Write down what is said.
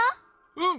うん。